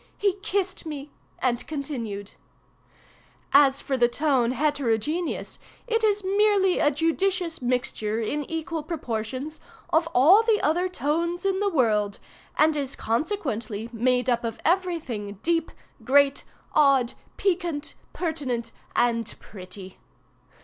He kissed me and continued: "As for the tone heterogeneous, it is merely a judicious mixture, in equal proportions, of all the other tones in the world, and is consequently made up of every thing deep, great, odd, piquant, pertinent, and pretty.